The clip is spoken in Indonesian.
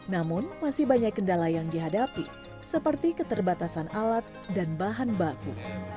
namun masih banyak kendala yang dihadapi seperti keterbatasan alat dan bahan baku